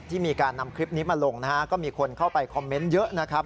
มีการนำคลิปนี้มาลงนะฮะก็มีคนเข้าไปคอมเมนต์เยอะนะครับ